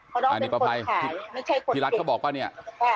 เพราะน้องเป็นคนขายพี่รัฐเขาบอกว่าเนี่ย